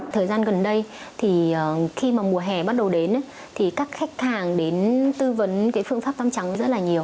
thời gian gần đây thì khi mà mùa hè bắt đầu đến thì các khách hàng đến tư vấn cái phương pháp tăm trắng rất là nhiều